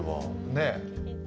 ねえ。